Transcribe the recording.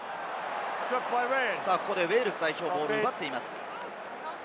ウェールズ代表、ボールを奪っています。